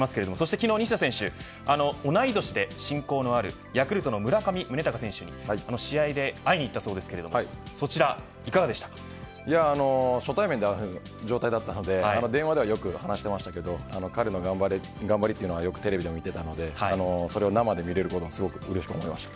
来年に期待されますけども昨日、西田選手同じ年で親交のあるヤクルトの村上宗隆選手に試合で会いに行ったそうですけども初対面で会う状態だったので電話ではよく話していまして彼の頑張りというのがよくテレビでも見ていたのでそれを生で見られるのが非常にうれしく思いました。